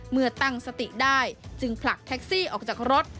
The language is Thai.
เมื่อตั้งสติได้จึงผลักแท็กซี่ออกจากรถ